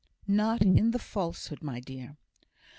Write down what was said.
"Not in the falsehood, my dear."